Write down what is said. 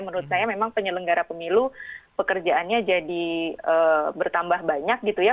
menurut saya memang penyelenggara pemilu pekerjaannya jadi bertambah banyak gitu ya